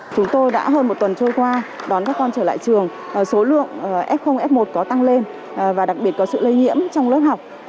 chúng tôi đã hơn một tuần trôi qua đón các con trở lại trường số lượng f f một có tăng lên và đặc biệt có sự lây nhiễm trong lớp học